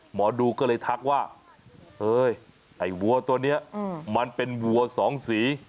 หมอดูก็เลยทักว่าเฮ้ยไอ้วัวตัวนี้มันเป็นวัวสองสี